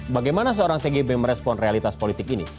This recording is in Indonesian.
bagaimana seorang tgb merespon realitas politik ini